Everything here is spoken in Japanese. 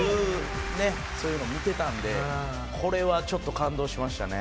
そういうのを見てたんでこれはちょっと感動しましたね。